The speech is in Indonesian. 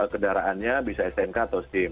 kedaraannya bisa stnk atau sim